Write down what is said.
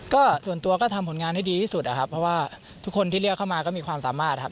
ก็ส่วนตัวก็ทำผลงานให้ดีที่สุดนะครับเพราะว่าทุกคนที่เรียกเข้ามาก็มีความสามารถครับ